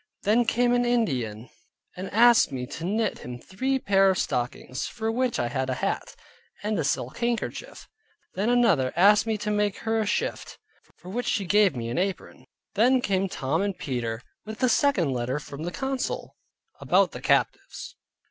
Then came an Indian, and asked me to knit him three pair of stockings, for which I had a hat, and a silk handkerchief. Then another asked me to make her a shift, for which she gave me an apron. Then came Tom and Peter, with the second letter from the council, about the captives.